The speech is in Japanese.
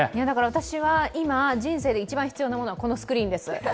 私は、人生で今一番必要なのはこのスクリーンです。